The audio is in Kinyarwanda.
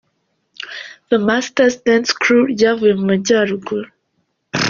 The Masters Dance Crew ryavuye mu Majyaruguru.